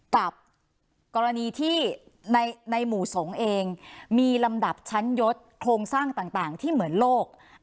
กับกรณีที่ในหมู่สงฆ์เองมีลำดับชั้นยศโครงสร้างต่างที่เหมือนโลก